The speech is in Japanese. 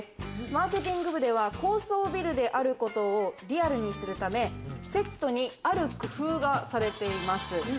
マーケティング部では高層ビルで、あることをリアルにするため、セットにある工夫をされています。